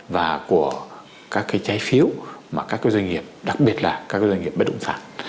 và của các cái trái phiếu mà các doanh nghiệp đặc biệt là các doanh nghiệp bất động sản